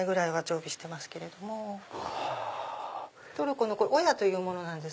トルコのオヤというものなんです。